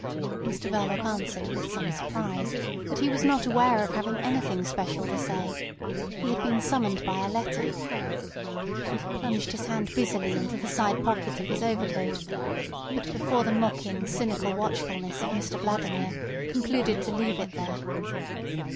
Mr Verloc answered with some surprise that he was not aware of having anything special to say. He had been summoned by a letter—And he plunged his hand busily into the side pocket of his overcoat, but before the mocking, cynical watchfulness of Mr Vladimir, concluded to leave it there.